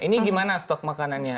ini bagaimana stok makanannya